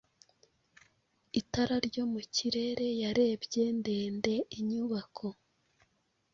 Itara ryo mu kirere Yarebye ndende inyubako